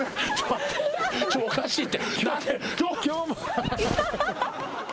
おかしいって。